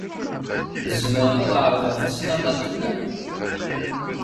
Zemreɣ ad ɛerḍeɣ tasnasɣalt-nnem?